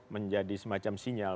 menjadi semacam sinyal